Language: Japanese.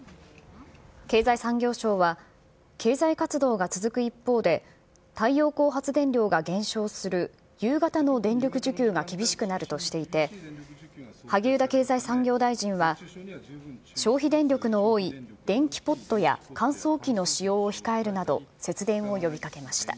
経済産業省は、経済活動が続く一方で、太陽光発電量が減少する夕方の電力需給が厳しくなるとしていて、萩生田経済産業大臣は、消費電力の多い電気ポットや乾燥機の使用を控えるなど、節電を呼びかけました。